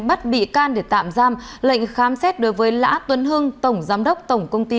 bắt bị can để tạm giam lệnh khám xét đối với lã tuấn hưng tổng giám đốc tổng công ty